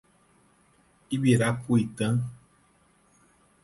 Ibirapuitã